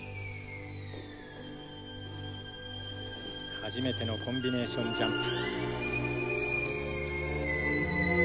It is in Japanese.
初めてのコンビネーションジャンプ。